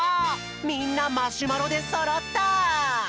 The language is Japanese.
みんなマシュマロでそろった！